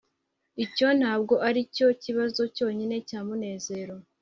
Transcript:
icyo ntabwo aricyo kibazo cyonyine cya munezero